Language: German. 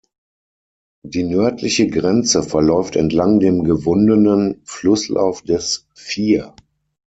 Die nördliche Grenze verläuft entlang dem gewundenen Flusslauf des Fier.